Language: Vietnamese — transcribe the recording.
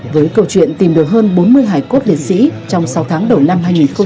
với câu chuyện tìm được hơn bốn mươi hải cốt liệt sĩ trong sáu tháng đầu năm hai nghìn hai mươi